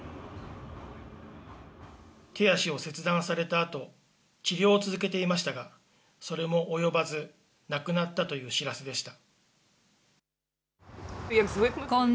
手足を切断されたあと、治療を続けていましたが、それも及ばず、亡くなったという知らせでした。